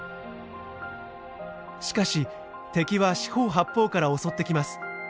しかし敵は四方八方から襲ってきます。